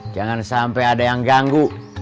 jangan sampai ada yang ganggu